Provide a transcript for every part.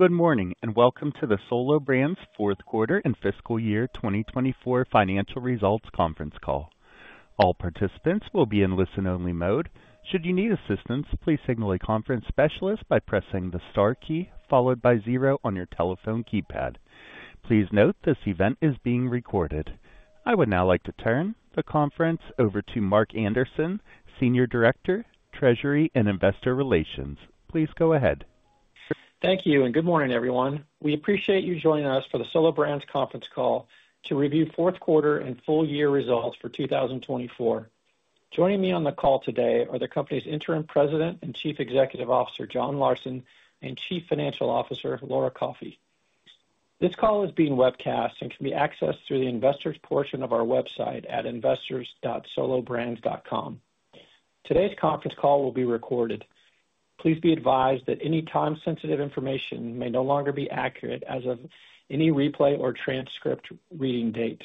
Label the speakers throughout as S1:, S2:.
S1: Good morning and welcome to the Solo Brands fourth quarter and fiscal year 2024 financial results conference call. All participants will be in listen-only mode. Should you need assistance, please signal a conference specialist by pressing the star key followed by zero on your telephone keypad. Please note this event is being recorded. I would now like to turn the conference over to Mark Anderson, Senior Director, Treasury and Investor Relations. Please go ahead.
S2: Thank you and good morning, everyone. We appreciate you joining us for the Solo Brands Conference Call to review fourth quarter and full year results for 2024. Joining me on the call today are the company's Interim President and Chief Executive Officer, John Larson, and Chief Financial Officer, Laura Coffey. This call is being webcast and can be accessed through the investors' portion of our website at investors.solobrands.com. Today's conference call will be recorded. Please be advised that any time-sensitive information may no longer be accurate as of any replay or transcript reading date.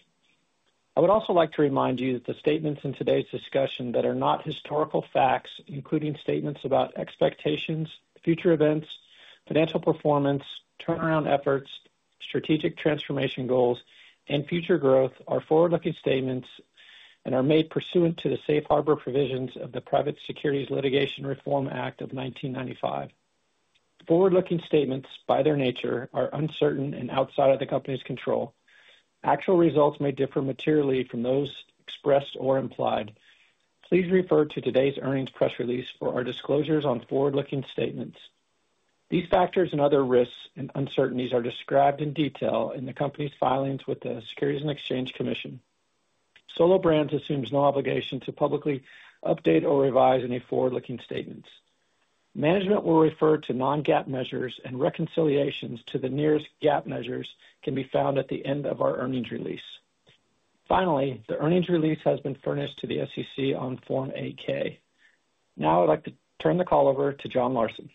S2: I would also like to remind you that the statements in today's discussion that are not historical facts, including statements about expectations, future events, financial performance, turnaround efforts, strategic transformation goals, and future growth, are forward-looking statements and are made pursuant to the safe harbor provisions of the Private Securities Litigation Reform Act of 1995. Forward-looking statements, by their nature, are uncertain and outside of the company's control. Actual results may differ materially from those expressed or implied. Please refer to today's earnings press release for our disclosures on forward-looking statements. These factors and other risks and uncertainties are described in detail in the company's filings with the Securities and Exchange Commission. Solo Brands assumes no obligation to publicly update or revise any forward-looking statements. Management will refer to non-GAAP measures, and reconciliations to the nearest GAAP measures can be found at the end of our earnings release. Finally, the earnings release has been furnished to the SEC on Form 8-K. Now I'd like to turn the call over to John Larson.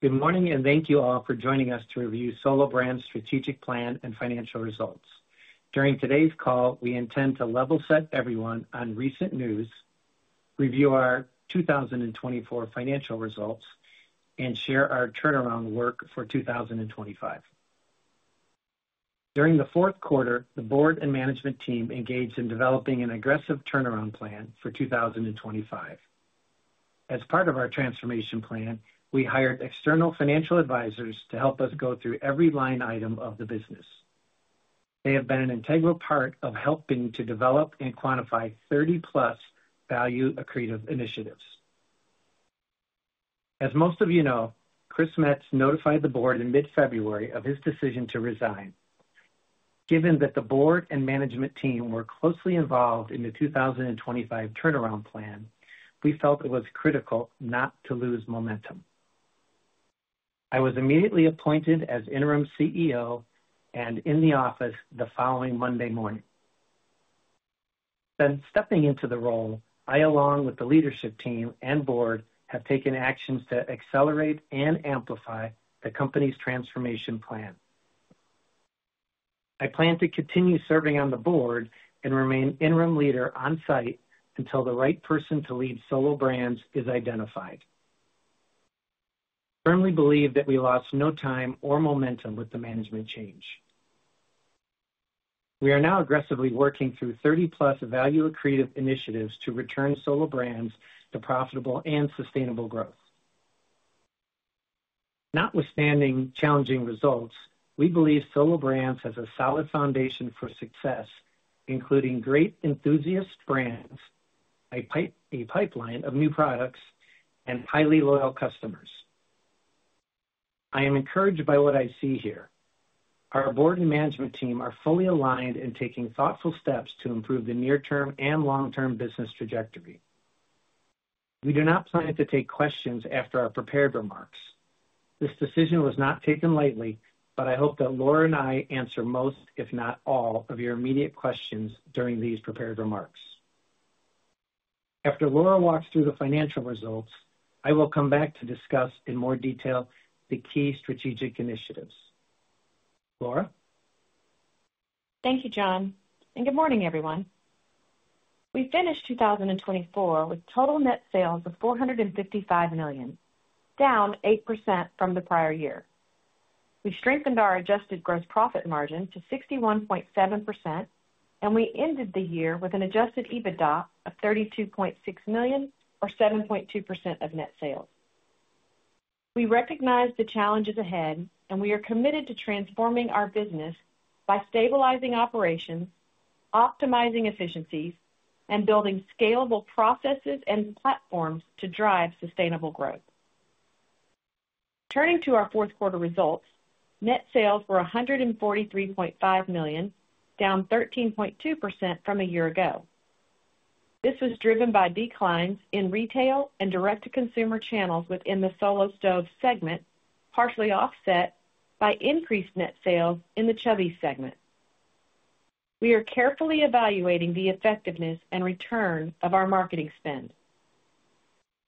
S3: Good morning and thank you all for joining us to review Solo Brands' strategic plan and financial results. During today's call, we intend to level set everyone on recent news, review our 2024 financial results, and share our turnaround work for 2025. During the fourth quarter, the board and management team engaged in developing an aggressive turnaround plan for 2025. As part of our transformation plan, we hired external financial advisors to help us go through every line item of the business. They have been an integral part of helping to develop and quantify 30+ value-accretive initiatives. As most of you know, Chris Metz notified the board in mid-February of his decision to resign. Given that the board and management team were closely involved in the 2025 turnaround plan, we felt it was critical not to lose momentum. I was immediately appointed as interim CEO and in the office the following Monday morning. Since stepping into the role, I, along with the leadership team and board, have taken actions to accelerate and amplify the company's transformation plan. I plan to continue serving on the board and remain interim leader on site until the right person to lead Solo Brands is identified. I firmly believe that we lost no time or momentum with the management change. We are now aggressively working through 30+ value-accretive initiatives to return Solo Brands to profitable and sustainable growth. Notwithstanding challenging results, we believe Solo Brands has a solid foundation for success, including great enthusiast brands, a pipeline of new products, and highly loyal customers. I am encouraged by what I see here. Our board and management team are fully aligned and taking thoughtful steps to improve the near-term and long-term business trajectory. We do not plan to take questions after our prepared remarks. This decision was not taken lightly, but I hope that Laura and I answer most, if not all, of your immediate questions during these prepared remarks. After Laura walks through the financial results, I will come back to discuss in more detail the key strategic initiatives. Laura?
S4: Thank you, John. Good morning, everyone. We finished 2024 with total net sales of $455 million, down 8% from the prior year. We strengthened our adjusted gross profit margin to 61.7%, and we ended the year with an adjusted EBITDA of $32.6 million, or 7.2% of net sales. We recognize the challenges ahead, and we are committed to transforming our business by stabilizing operations, optimizing efficiencies, and building scalable processes and platforms to drive sustainable growth. Turning to our fourth quarter results, net sales were $143.5 million, down 13.2% from a year ago. This was driven by declines in retail and direct-to-consumer channels within the Solo Stove segment, partially offset by increased net sales in the Chubbies segment. We are carefully evaluating the effectiveness and return of our marketing spend.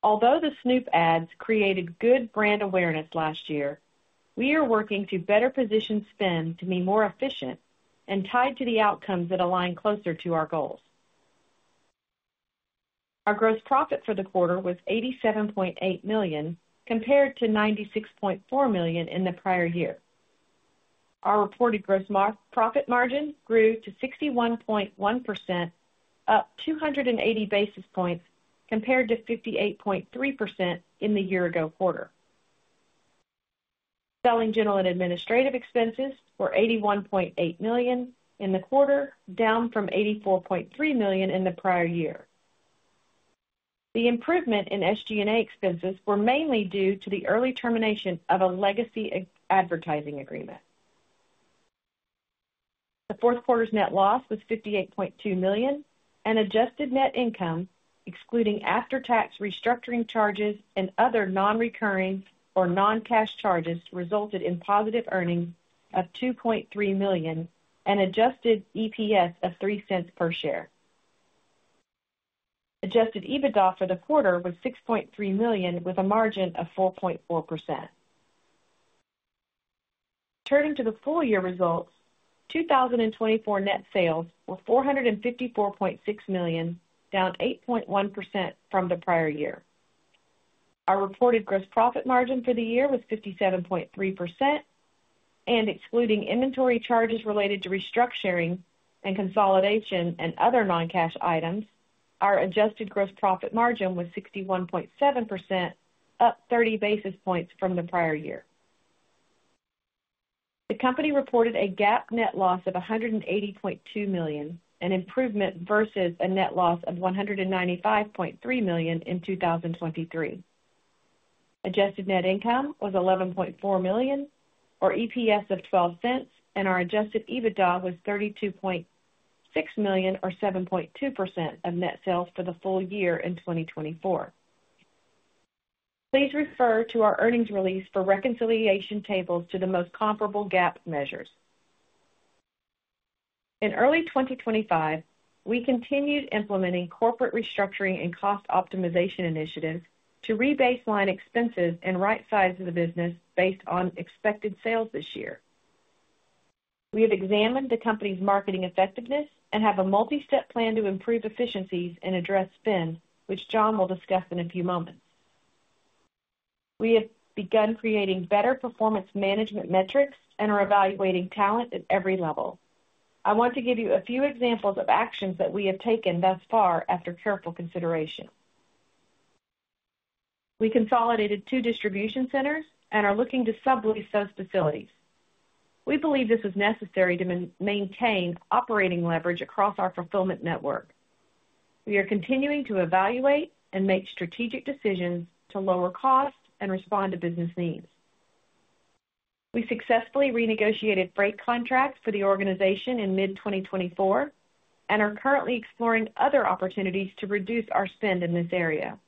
S4: Although the Snoop ads created good brand awareness last year, we are working to better position spend to be more efficient and tied to the outcomes that align closer to our goals. Our gross profit for the quarter was $87.8 million, compared to $96.4 million in the prior year. Our reported gross profit margin grew to 61.1%, up 280 basis points, compared to 58.3% in the year-ago quarter. Selling, general and administrative expenses were $81.8 million in the quarter, down from $84.3 million in the prior year. The improvement in SG&A expenses was mainly due to the early termination of a legacy advertising agreement. The fourth quarter's net loss was $58.2 million, and adjusted net income, excluding after-tax restructuring charges and other non-recurring or non-cash charges, resulted in positive earnings of $2.3 million and adjusted EPS of $0.03 per share. Adjusted EBITDA for the quarter was $6.3 million, with a margin of 4.4%. Turning to the full year results, 2024 net sales were $454.6 million, down 8.1% from the prior year. Our reported gross profit margin for the year was 57.3%, and excluding inventory charges related to restructuring and consolidation and other non-cash items, our adjusted gross profit margin was 61.7%, up 30 basis points from the prior year. The company reported a GAAP net loss of $180.2 million, an improvement versus a net loss of $195.3 million in 2023. Adjusted net income was $11.4 million, or EPS of $0.12, and our adjusted EBITDA was $32.6 million, or 7.2% of net sales for the full year in 2024. Please refer to our earnings release for reconciliation tables to the most comparable GAAP measures. In early 2025, we continued implementing corporate restructuring and cost optimization initiatives to re-baseline expenses and right-size the business based on expected sales this year. We have examined the company's marketing effectiveness and have a multi-step plan to improve efficiencies and address spend, which John will discuss in a few moments. We have begun creating better performance management metrics and are evaluating talent at every level. I want to give you a few examples of actions that we have taken thus far after careful consideration. We consolidated two distribution centers and are looking to sublease those facilities. We believe this is necessary to maintain operating leverage across our fulfillment network. We are continuing to evaluate and make strategic decisions to lower costs and respond to business needs. We successfully renegotiated freight contracts for the organization in mid-2024 and are currently exploring other opportunities to reduce our spend in this area.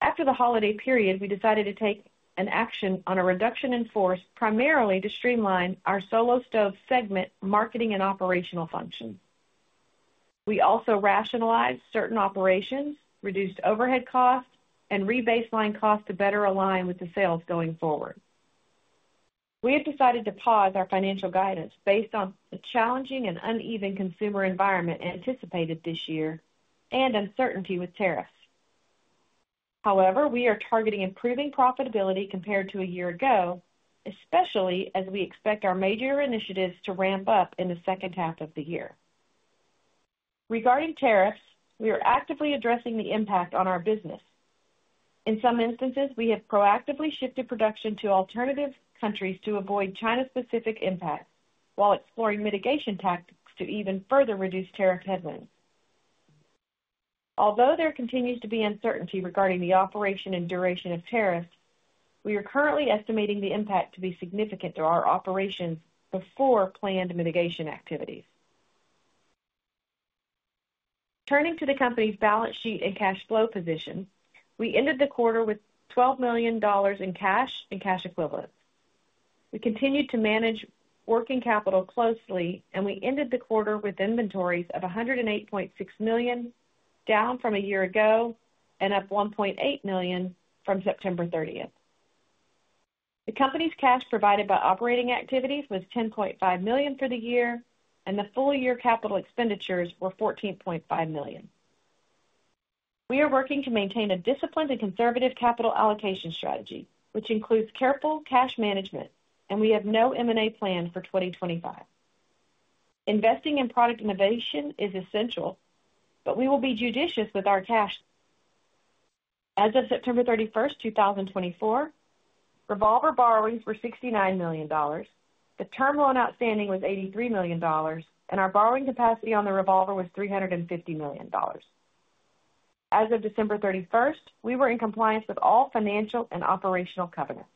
S4: After the holiday period, we decided to take an action on a reduction in force, primarily to streamline our Solo Stove segment marketing and operational functions. We also rationalized certain operations, reduced overhead costs, and re-baseline costs to better align with the sales going forward. We have decided to pause our financial guidance based on the challenging and uneven consumer environment anticipated this year and uncertainty with tariffs. However, we are targeting improving profitability compared to a year ago, especially as we expect our major initiatives to ramp up in the second half of the year. Regarding tariffs, we are actively addressing the impact on our business. In some instances, we have proactively shifted production to alternative countries to avoid China-specific impacts while exploring mitigation tactics to even further reduce tariff headwinds. Although there continues to be uncertainty regarding the operation and duration of tariffs, we are currently estimating the impact to be significant to our operations before planned mitigation activities. Turning to the company's balance sheet and cash flow position, we ended the quarter with $12 million in cash and cash equivalents. We continued to manage working capital closely, and we ended the quarter with inventories of $108.6 million, down from a year ago and up $1.8 million from September 30th. The company's cash provided by operating activities was $10.5 million for the year, and the full year capital expenditures were $14.5 million. We are working to maintain a disciplined and conservative capital allocation strategy, which includes careful cash management, and we have no M&A plan for 2025. Investing in product innovation is essential, but we will be judicious with our cash. As of September 31, 2024, revolver borrowings were $69 million. The term loan outstanding was $83 million, and our borrowing capacity on the revolver was $350 million. As of December 31, we were in compliance with all financial and operational covenants.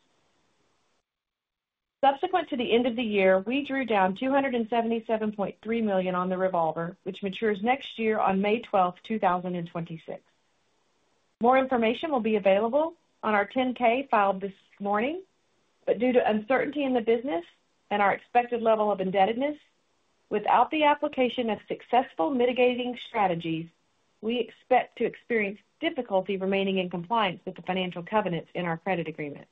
S4: Subsequent to the end of the year, we drew down $277.3 million on the revolver, which matures next year on May 12, 2026. More information will be available on our 10-K filed this morning, but due to uncertainty in the business and our expected level of indebtedness, without the application of successful mitigating strategies, we expect to experience difficulty remaining in compliance with the financial covenants in our credit agreement.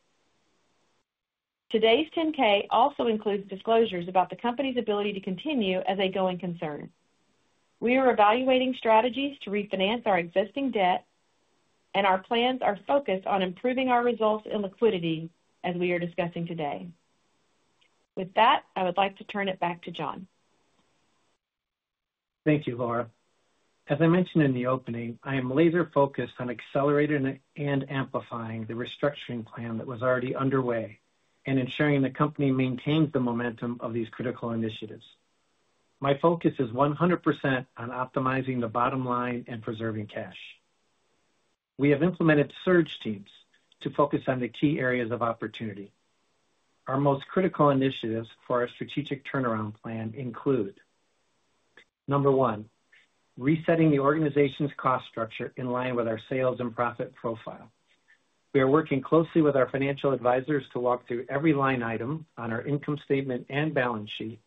S4: Today's 10-K also includes disclosures about the company's ability to continue as a going concern. We are evaluating strategies to refinance our existing debt, and our plans are focused on improving our results and liquidity as we are discussing today. With that, I would like to turn it back to John.
S3: Thank you, Laura. As I mentioned in the opening, I am laser-focused on accelerating and amplifying the restructuring plan that was already underway and ensuring the company maintains the momentum of these critical initiatives. My focus is 100% on optimizing the bottom line and preserving cash. We have implemented surge teams to focus on the key areas of opportunity. Our most critical initiatives for our strategic turnaround plan include: Number one, resetting the organization's cost structure in line with our sales and profit profile. We are working closely with our financial advisors to walk through every line item on our income statement and balance sheet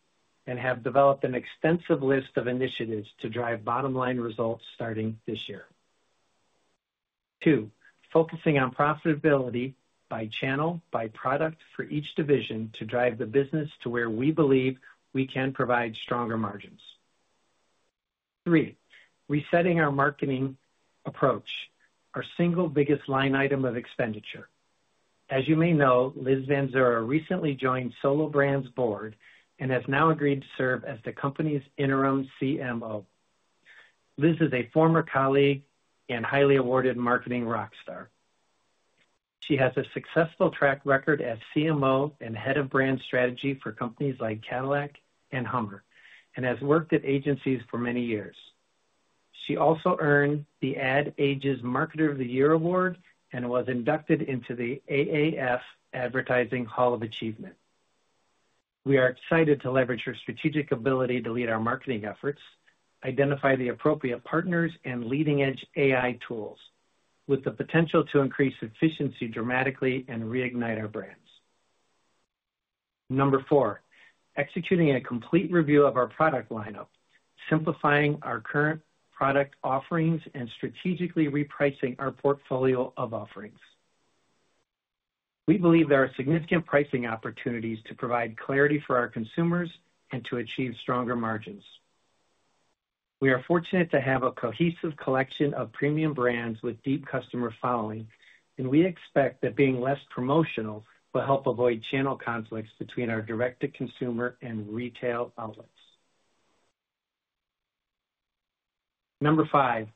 S3: and have developed an extensive list of initiatives to drive bottom-line results starting this year. Two, focusing on profitability by channel, by product for each division to drive the business to where we believe we can provide stronger margins. Three, resetting our marketing approach, our single biggest line item of expenditure. As you may know, Liz Vanzura recently joined Solo Brands Board and has now agreed to serve as the company's interim CMO. Liz is a former colleague and highly awarded marketing rock star. She has a successful track record as CMO and head of brand strategy for companies like Cadillac and Hummer, and has worked at agencies for many years. She also earned the Ad Age's Marketer of the Year Award and was inducted into the AAF Advertising Hall of Achievement. We are excited to leverage her strategic ability to lead our marketing efforts, identify the appropriate partners, and leading-edge AI tools, with the potential to increase efficiency dramatically and reignite our brands. Number four, executing a complete review of our product lineup, simplifying our current product offerings, and strategically repricing our portfolio of offerings. We believe there are significant pricing opportunities to provide clarity for our consumers and to achieve stronger margins. We are fortunate to have a cohesive collection of premium brands with deep customer following, and we expect that being less promotional will help avoid channel conflicts between our direct-to-consumer and retail outlets. Number five,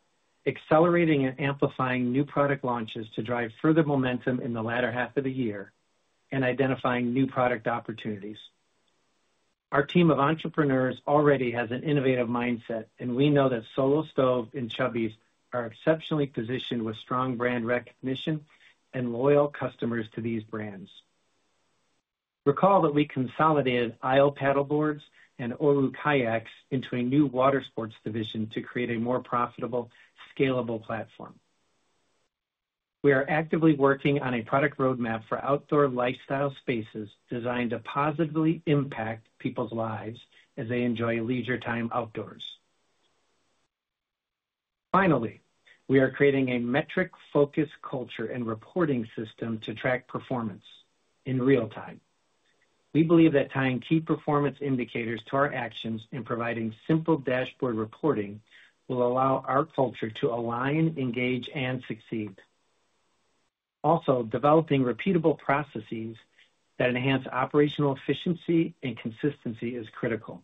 S3: accelerating and amplifying new product launches to drive further momentum in the latter half of the year and identifying new product opportunities. Our team of entrepreneurs already has an innovative mindset, and we know that Solo Stove and Chubbies are exceptionally positioned with strong brand recognition and loyal customers to these brands. Recall that we consolidated ISLE paddle boards and Oru kayaks into a new water sports division to create a more profitable, scalable platform. We are actively working on a product roadmap for outdoor lifestyle spaces designed to positively impact people's lives as they enjoy leisure time outdoors. Finally, we are creating a metric-focused culture and reporting system to track performance in real time. We believe that tying key performance indicators to our actions and providing simple dashboard reporting will allow our culture to align, engage, and succeed. Also, developing repeatable processes that enhance operational efficiency and consistency is critical.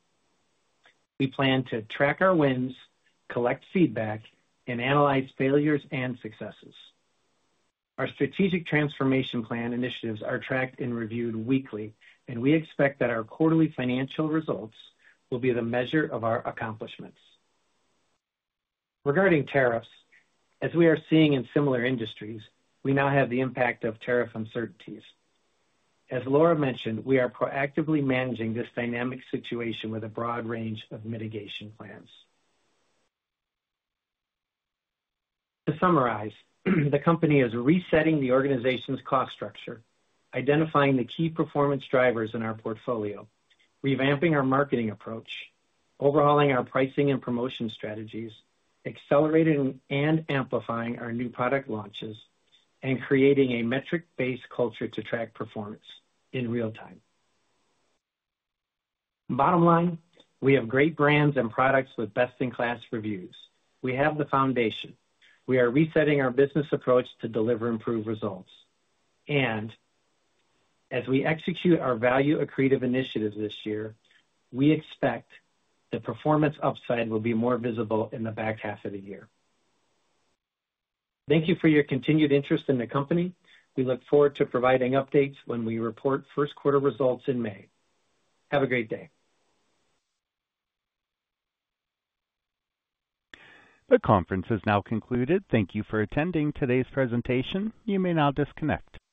S3: We plan to track our wins, collect feedback, and analyze failures and successes. Our strategic transformation plan initiatives are tracked and reviewed weekly, and we expect that our quarterly financial results will be the measure of our accomplishments. Regarding tariffs, as we are seeing in similar industries, we now have the impact of tariff uncertainties. As Laura mentioned, we are proactively managing this dynamic situation with a broad range of mitigation plans. To summarize, the company is resetting the organization's cost structure, identifying the key performance drivers in our portfolio, revamping our marketing approach, overhauling our pricing and promotion strategies, accelerating and amplifying our new product launches, and creating a metric-based culture to track performance in real time. Bottom line, we have great brands and products with best-in-class reviews. We have the foundation. We are resetting our business approach to deliver improved results. As we execute our value-accretive initiatives this year, we expect the performance upside will be more visible in the back half of the year. Thank you for your continued interest in the company. We look forward to providing updates when we report first quarter results in May. Have a great day.
S1: The conference has now concluded. Thank you for attending today's presentation. You may now disconnect.